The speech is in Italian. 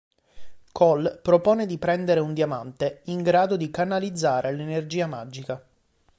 Kol propone di prendere un diamante in grado di canalizzare l'energia magica.